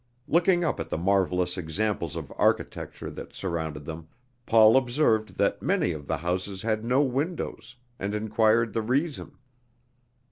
Looking up at the marvelous examples of architecture that surrounded them, Paul observed that many of the houses had no windows, and inquired the reason.